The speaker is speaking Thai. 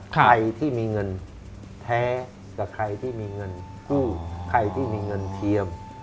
ใครที่มีเงินแท้กับใครที่มีเงินกู้ใครที่มีเงินเทียม